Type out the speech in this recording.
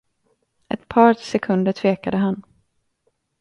Ett par sekunder tvekade han.